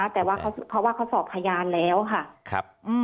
เพราะว่าเขาสอบพยานแล้วค่ะ